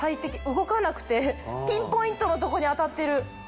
動かなくてピンポイントのとこに当たってる。